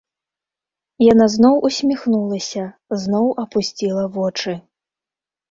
Яна зноў усміхнулася, зноў апусціла вочы.